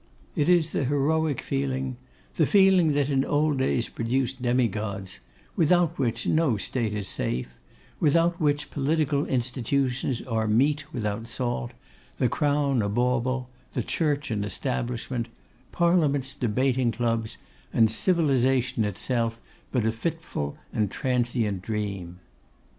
It is the heroic feeling; the feeling that in old days produced demigods; without which no State is safe; without which political institutions are meat without salt; the Crown a bauble, the Church an establishment, Parliaments debating clubs, and Civilisation itself but a fitful and transient dream.